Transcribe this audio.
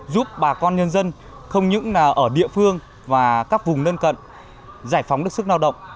giúp bà con nhân dân không những là ở địa phương và các vùng lân cận giải phóng được sức lao động